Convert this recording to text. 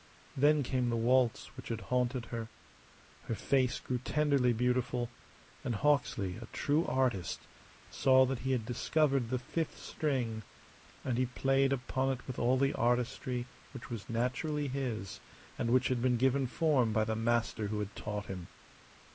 Then came the waltz which had haunted her. Her face grew tenderly beautiful; and Hawksley, a true artist, saw that he had discovered the fifth string; and he played upon it with all the artistry which was naturally his and which had been given form by the master who had taught him.